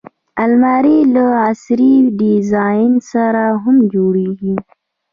الماري له عصري ډیزاین سره هم جوړیږي